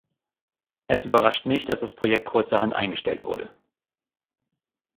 Es überrascht nicht, dass das Projekt kurzerhand eingestellt wurde.